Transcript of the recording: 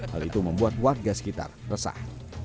hal itu membuat warga sekitar resah